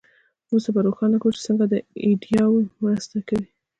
وروسته به روښانه کړو چې څنګه دا ایډیاوې مرسته کوي.